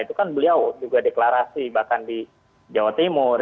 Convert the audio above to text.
itu kan beliau juga deklarasi bahkan di jawa timur